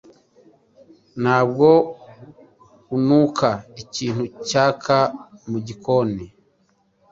Ntabwo unuka ikintu cyaka mugikoni?